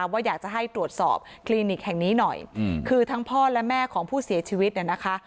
ว่าอยากจะให้ตรวจสอบคลินิกแห่งนี้หน่อยคือทั้งพ่อและแม่ของผู้เสียชีวิตเนี่ยนะคะ